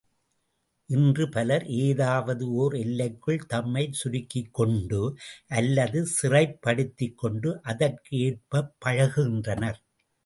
இன்று பலர் ஏதாவது ஒர் எல்லைக்குள் தம்மைச் சுருக்கிக் கொண்டு அல்லது சிறைப்படுத்திக் கொண்டு அதற்கு ஏற்பப் பழகுகின்றனர்.